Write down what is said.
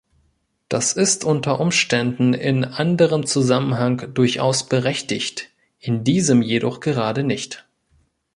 Das ist unter Umständen in anderem Zusammenhang durchaus berechtigt, in diesem jedoch gerade nicht.